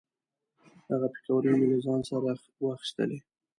هغه پیکورې مې له ځان سره را واخیستلې.